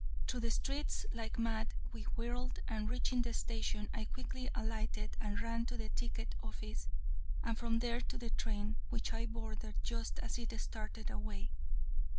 Through the streets like mad we whirled, and, reaching the station, I quickly alighted and ran to the ticket office, and from there to the train, which I boarded just as it started away.